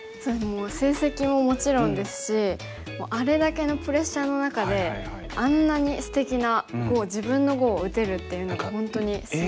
成績ももちろんですしあれだけのプレッシャーの中であんなにすてきな碁を自分の碁を打てるっていうのが本当にすごいなと。